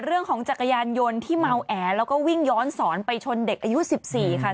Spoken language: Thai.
จักรยานยนต์ที่เมาแอแล้วก็วิ่งย้อนสอนไปชนเด็กอายุ๑๔ค่ะ